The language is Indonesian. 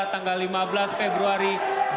tanggal lima belas februari dua ribu tujuh belas